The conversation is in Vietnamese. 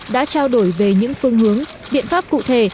đã trao đổi về những phương hướng biện pháp cụ thể